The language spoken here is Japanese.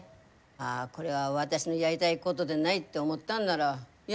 ああこれは私のやりたいごどでないって思ったんならや